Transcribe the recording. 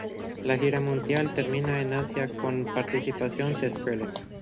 La gira mundial termina en Asia con la participación de Skrillex.